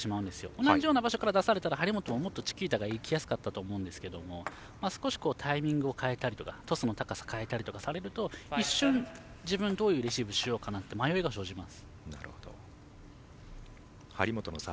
同じような場所から出されると張本は、もっとチキータいきやすかったと思うんですけど少しタイミングを変えたりトスの高さを変えたりされると一瞬、自分がどういうレシーブをしようか迷いが生じるんです。